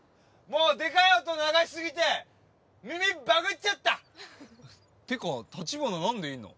もうでかい音流しすぎて耳バグっちゃったってか立花何でいんの？